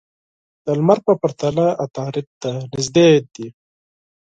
د لمر په پرتله عطارد ته نژدې دي.